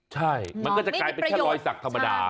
ใช่มันก็จะกลายเป็นแค่รอยสักธรรมดา